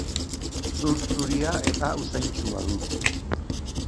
Zur zuria eta usaintsua du.